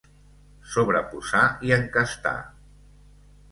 Sobreposar i encastar.